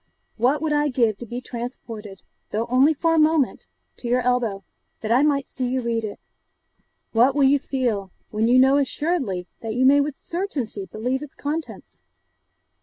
What would I give to be transported (though only for a moment) to your elbow, that I might see you read it? What will you feel, when you know assuredly that you may with certainty believe its contents?